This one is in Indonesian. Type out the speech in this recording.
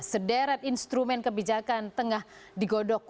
sederet instrumen kebijakan tengah digodok